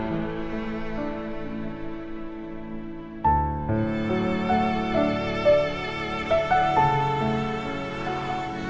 makasih ya pak